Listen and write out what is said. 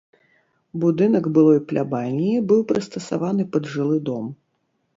Будынак былой плябаніі быў прыстасаваны пад жылы дом.